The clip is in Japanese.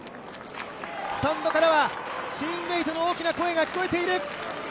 スタンドからはチームメイトの大きな声が聞こえている。